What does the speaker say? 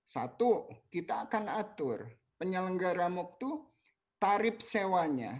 satu kita akan atur penyelenggara mooc itu tarif sewanya